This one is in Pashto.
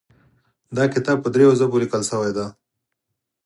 دا کتاب په دریو ژبو لیکل شوی ده